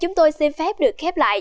chúng tôi xin phép được khép lại